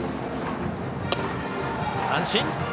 三振。